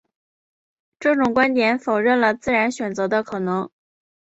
这种观点否认了自然选择的可能。